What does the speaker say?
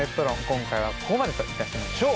今回はここまでといたしましょう。